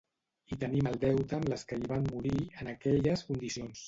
Hi tenim el deute amb les que hi van morir, en aquelles condicions.